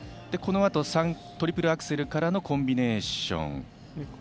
このあとトリプルアクセルからのコンビネーション。